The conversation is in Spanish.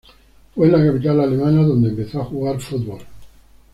Fue en la capital alemana donde empezó a jugar fútbol.